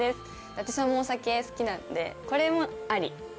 伊達さんもお酒好きなのでこれもあり。